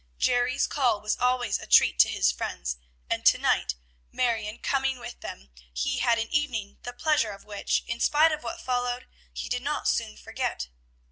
Jerry's call was always a treat to his friends; and to night, Marion coming with them, he had an evening the pleasure of which, in spite of what followed, he did not soon forget.